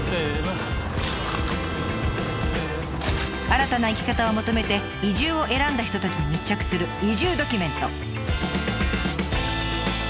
新たな生き方を求めて移住を選んだ人たちに密着する移住ドキュメント。